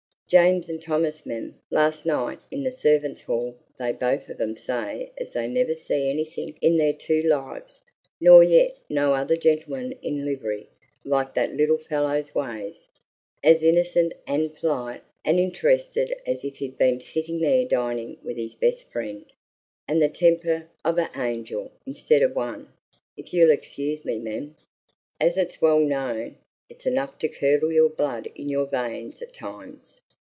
James and Thomas, mem, last night in the servants' hall, they both of 'em say as they never see anythink in their two lives nor yet no other gentleman in livery like that little fellow's ways, as innercent an' polite an' interested as if he'd been sitting there dining with his best friend, and the temper of a' angel, instead of one (if you'll excuse me, mem), as it's well known, is enough to curdle your blood in your veins at times.